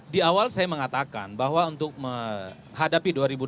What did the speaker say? di awal saya mengatakan bahwa untuk menghadapi dua ribu dua puluh